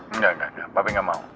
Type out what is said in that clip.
enggak enggak enggak papi gak mau